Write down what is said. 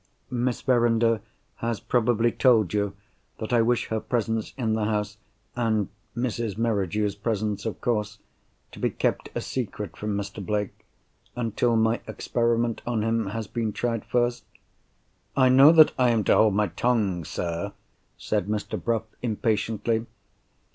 "Miss Verinder has probably told you, that I wish her presence in the house (and Mrs. Merridew's presence of course) to be kept a secret from Mr. Blake, until my experiment on him has been tried first?" "I know that I am to hold my tongue, sir!" said Mr. Bruff, impatiently.